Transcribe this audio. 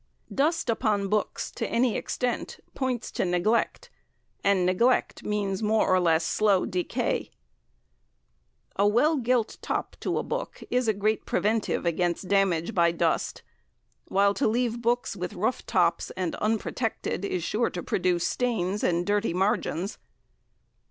DUST upon Books to any extent points to neglect, and neglect means more or less slow Decay. A well gilt top to a book is a great preventive against damage by dust, while to leave books with rough tops and unprotected is sure to produce stains and dirty margins.